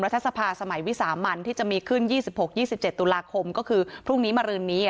สภาสมัยวิสามันที่จะมีขึ้น๒๖๒๗ตุลาคมก็คือพรุ่งนี้มารืนนี้